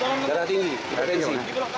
darah tinggi hipertensi